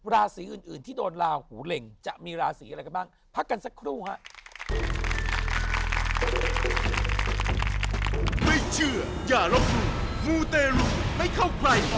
ราศีอื่นที่โดนลาหูเหล็งจะมีราศีอะไรกันบ้างพักกันสักครู่ฮะ